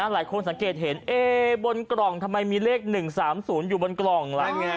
หลายคนสังเกตเห็นบนกล่องทำไมมีเลข๑๓๐อยู่บนกล่องล่ะ